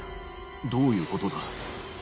どういうことだ？